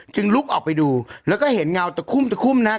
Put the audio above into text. ลุกออกไปดูแล้วก็เห็นเงาตะคุ่มตะคุ่มนะฮะ